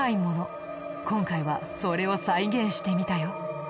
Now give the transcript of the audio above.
今回はそれを再現してみたよ。